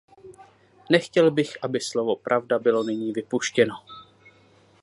Nechtěl bych, aby slovo pravda bylo nyní vypuštěno.